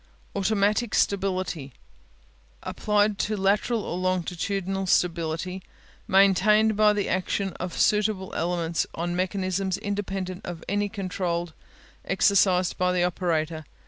Automatic Stability Applied to lateral or longitudinal stability maintained by the action of suitable elements on mechanisms independent of any control exercised by the operator.